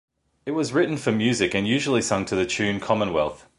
It was written for music and usually sung to the tune "Commonwealth".